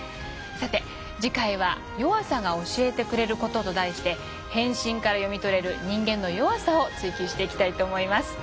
次回は「弱さが教えてくれること」と題して「変身」から読み取れる人間の弱さを追究していきたいと思います。